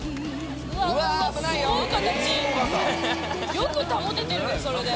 よく保ててるねそれで。